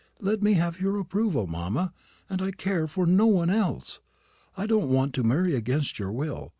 Let me have your approval, mamma, and I care for no one else. I don't want to marry against your will.